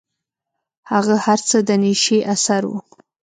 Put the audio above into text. هغه هر څه د نيشې اثر و.